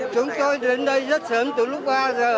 chúng tôi đến đây rất sớm từ lúc ba giờ